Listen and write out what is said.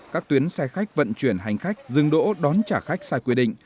các tuyến xe khách vận chuyển hành khách dừng đỗ đón trả khách sai quy định